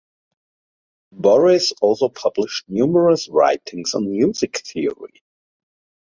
Borris also published numerous writings on music theory.